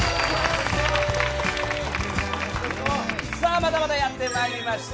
またまたやってまいりました。